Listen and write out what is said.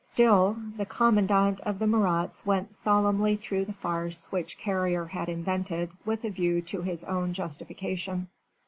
Still! the commandant of the Marats went solemnly through the farce which Carrier had invented with a view to his own justification.